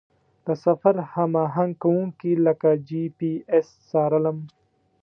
د سفر هماهنګ کوونکي لکه جي پي اس څارلم.